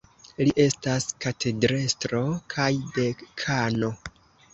Li estas katedrestro kaj dekano.